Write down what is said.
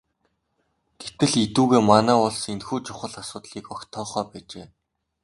Гэтэл эдүгээ манай улс энэхүү чухал асуудлыг огт тоохоо байжээ.